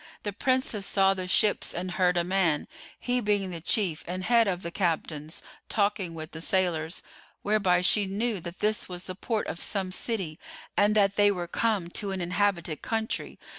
The Princess saw the ships and heard a man, he being the chief and head of the captains, talking with the sailors; whereby she knew that this was the port of some city and that they were come to an inhabited country.